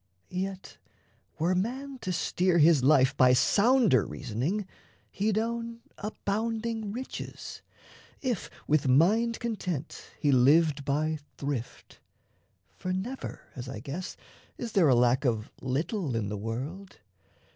Yet were man to steer His life by sounder reasoning, he'd own Abounding riches, if with mind content He lived by thrift; for never, as I guess, Is there a lack of little in the world.